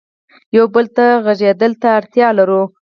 یو بل ته غږېدلو ته اړتیا لرو.